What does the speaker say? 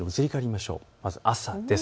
まず朝です。